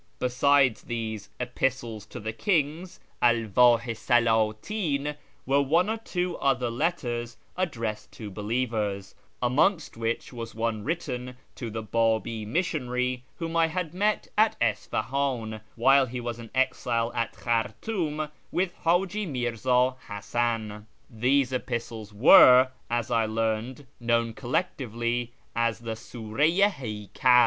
Besides these " Epistles of the Kings " (AhodJp i Saldtin) were one or two other letters addressed to believers, amongst which was one written to the Babi missionary whom I had met at Isfahan while he was in exile at Khartoum with iHtiji Mirzii Hasan. These epistles were, as I learned, known collectively as the Sura i Hcykal.